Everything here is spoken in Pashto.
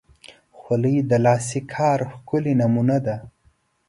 خولۍ د لاسي کار ښکلی نمونه ده.